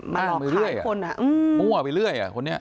มาหลอกขายคนอ่ะมั่วไปเรื่อยอ่ะคนนี้